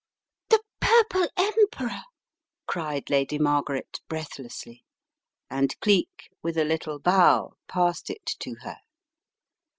"The Purple Emperor," cried Lady Margaret, breathlessly, and Cleek, with a little bow, passed it to her.